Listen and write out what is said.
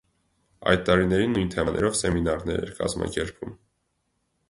Այդ տարիներին նույն թեմաներով սեմինարներ էր կազմակերպում։